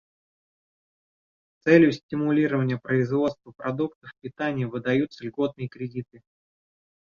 С целью стимулирования производства продуктов питания выдаются льготные кредиты.